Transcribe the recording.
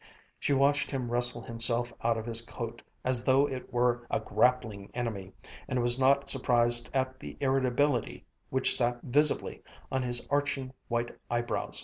She watched him wrestle himself out of his coat as though it were a grappling enemy, and was not surprised at the irritability which sat visibly upon his arching white eyebrows.